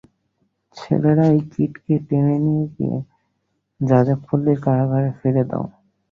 ছেলেরা, এই কীটকে টেনে নিয়ে গিয়ে যাজকপল্লীর কারাগারে ফেলে দাও।